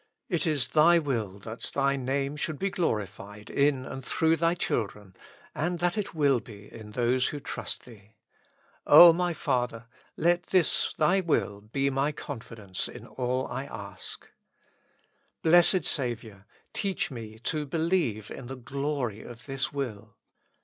It is Thy will that Thy 240 With Christ in the School of Prayer. Name should be glorified in and through thy chil dren, and that it will be in those who trust Thee. O my Father ! let this Thy will be my confidence in all I ask. Blessed Saviour ! teach me to believe in the glory of this will.